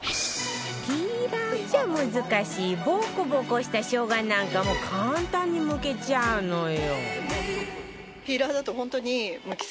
ピーラーじゃ難しいボコボコした生姜なんかも簡単にむけちゃうのよ